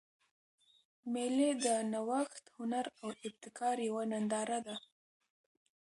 مېلې د نوښت، هنر او ابتکار یوه ننداره ده.